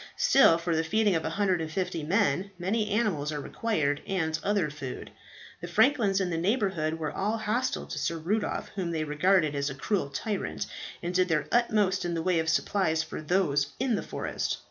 Still, for the feeding of 150 men many animals are required and other food. The franklins in the neighbourhood were all hostile to Sir Rudolph, whom they regarded as a cruel tyrant, and did their utmost in the way of supplies for those in the forest.